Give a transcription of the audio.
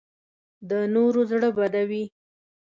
د نورو زړه بدوي